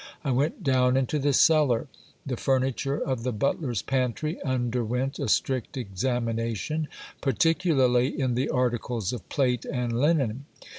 I went down into the cellar. The furniture of the butler's pantry un derwent a strict examination, particularly in the articles of plate and linen.